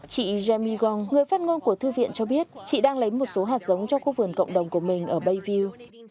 chị jammye gong người phát ngôn của thư viện cho biết chị đang lấy một số hạt giống cho khu vườn cộng đồng của mình ở bayview